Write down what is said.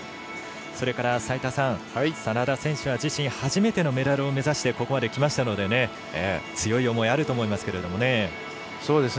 それから眞田選手は自身初めてのメダルを目指してここまできましたので強い思いあると思いますけれども。